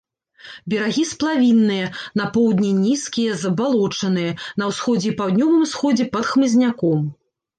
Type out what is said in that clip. Берагі сплавінныя, на поўдні нізкія, забалочаныя, на ўсходзе і паўднёвым усходзе пад хмызняком.